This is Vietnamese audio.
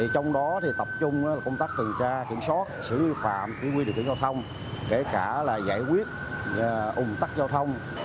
trong đó tập trung công tác tường tra kiểm soát xử lý vi phạm quy định giao thông kể cả giải quyết ủng tắc giao thông